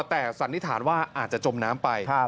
แต่สันนิษฐานว่าอาจจะจมน้ำไป